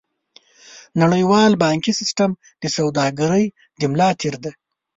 نړیوال بانکي سیستم د سوداګرۍ د ملا تیر دی.